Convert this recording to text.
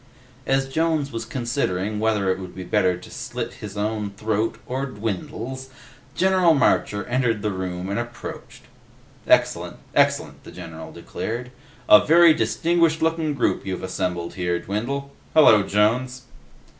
As Jones was considering whether it would be better to slit his own throat or Dwindle's, General Marcher entered the room and approached. "Excellent. Excellent," the general declared. "A very distinguished looking group you've assembled here, Dwindle. Hello, Jones."